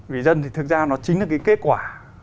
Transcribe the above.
vì dân thì thực ra nó chính là cái kết quả